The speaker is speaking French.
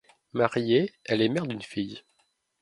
Mariée, elle est mère d'une fille.